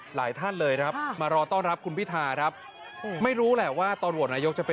หลายท่านเลยครับมารอต้อนรับคุณพิธาครับไม่รู้แหละว่าตอนโหวตนายกจะเป็น